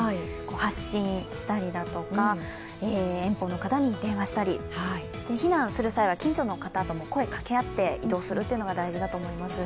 発信したり、遠方の方に電話したり避難する際は近所の方とも声を掛け合って移動するのが大事だと思います。